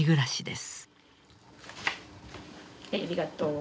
はいありがとう。